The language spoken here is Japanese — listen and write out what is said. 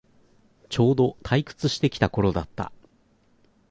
ちょうど退屈してきた頃だった